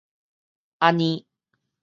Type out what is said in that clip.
按呢